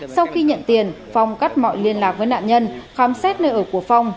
sau khi nhận tiền phong cắt mọi liên lạc với nạn nhân khám xét nơi ở của phong